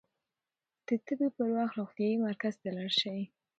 د تبې پر وخت روغتيايي مرکز ته لاړ شئ.